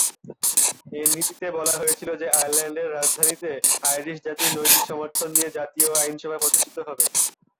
এ নীতিতে বলা হয়েছিল যে, 'আয়ারল্যান্ডের রাজধানীতে আইরিশ জাতির নৈতিক সমর্থন নিয়ে জাতীয় আইনসভা প্রতিষ্ঠিত হবে।'